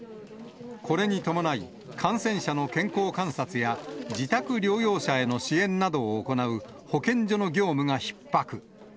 これに伴い、感染者の健康観察や、自宅療養者への支援などを行う保健所の業務がひっ迫。